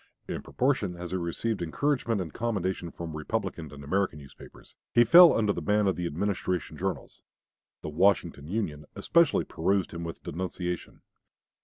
In proportion as he received encouragement and commendation from Republican and American newspapers, he fell under the ban of the Administration journals. The "Washington Union" especially pursued him with denunciation.